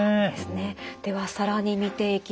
では更に見ていきましょう。